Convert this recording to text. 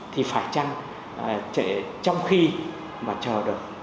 thì phải chăng trong khi mà chờ được